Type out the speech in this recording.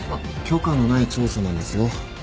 許可のない調査なんですよ。